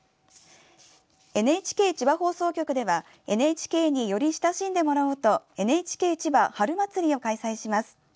ＮＨＫ千葉放送局ではＮＨＫにより親しんでもらおうと「ＮＨＫ千葉春まつり」を開催します。